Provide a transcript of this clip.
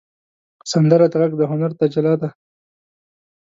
سندره د غږ د هنر تجلی ده